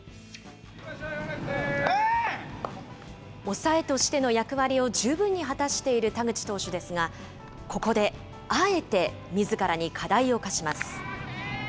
抑えとしての役割を十分に果たしている田口投手ですが、ここで、あえて、みずからに課題を課します。